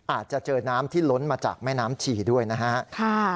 อาจจะเจอน้ำที่ล้นมาจากแม่น้ำฉี่ด้วยนะฮะ